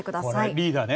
リーダーね